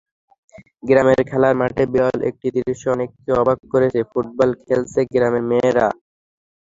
গ্রামের খেলার মাঠে বিরল একটি দৃশ্য অনেককে অবাক করবে—ফুটবল খেলছে গ্রামের মেয়েরা।